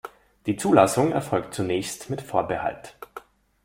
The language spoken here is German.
Die Zulassung erfolgt zunächst mit Vorbehalt.